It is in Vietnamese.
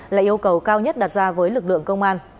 là yêu cầu cao nhất đặt ra với lực lượng công an